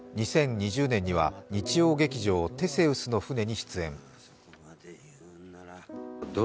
２０２０年には日曜劇場「テセウスの船」に出演。